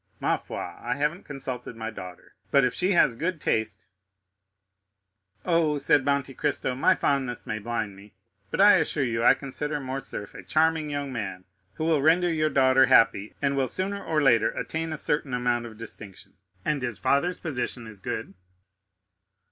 Ma foi, I haven't consulted my daughter; but if she has good taste——" "Oh," said Monte Cristo, "my fondness may blind me, but I assure you I consider Morcerf a charming young man who will render your daughter happy and will sooner or later attain a certain amount of distinction, and his father's position is good."